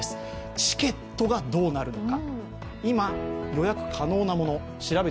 チケットがどうなるのか。